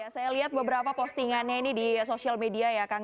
saya lihat beberapa postingannya ini di sosial media ya kang